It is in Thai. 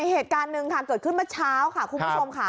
เหตุการณ์หนึ่งเกิดขึ้นละเช้าค่ะ